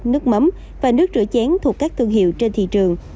nước mắm và nước rửa chén thuộc các thương hiệu trên thị trường